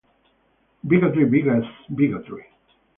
Bigotry begets bigotry.